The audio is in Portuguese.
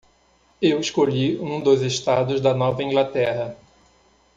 Eu escolhi um dos estados da Nova Inglaterra.